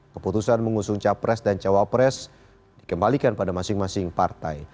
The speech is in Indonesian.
keputusan mengusung capres dan cawapres dikembalikan pada masing masing partai